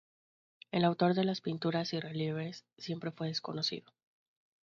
El autor de las pinturas y relieves siempre fue desconocido.